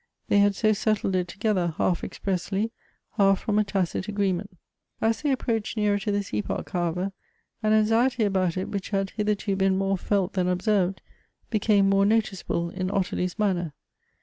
They had so settled it together, half expressly, half from a tacit agreement. As they apjiroached nearer to this epoch, however, an anxiety about it, which had hitherto been more felt than observed, became more noticeable in Ottilie's manner.